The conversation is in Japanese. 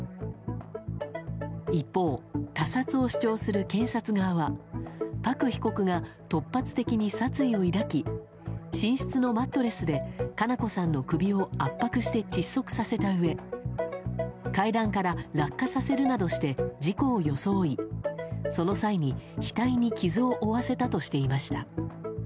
一方、他殺を主張する検察側はパク被告が突発的に殺意を抱き寝室のマットレスで佳菜子さんの首を圧迫して窒息させたうえ階段から落下させるなどして事故を装いその際に額に傷を負わせたとしていました。